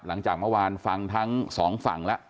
หลังจากเมื่อวานฟังทั้งสองฝั่งแล้ว